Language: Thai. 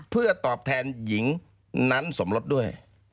เพื่อตอบแทนหญิงนั้นสมรสด้วย